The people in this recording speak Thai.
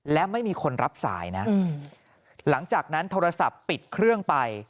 และไม่มีคนรับสายนะหลังจากนั้นโทรศัพท์ปิดเครื่องไป